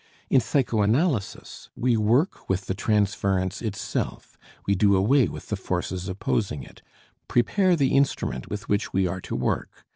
In psychoanalysis we work with the transference itself, we do away with the forces opposing it, prepare the instrument with which we are to work.